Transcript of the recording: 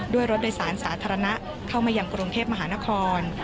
ด้วยรถโดยสารสาธารณะเข้ามายังกรุงเทพมหานคร